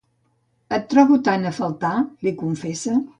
Et trobo tant a faltar, li confessa.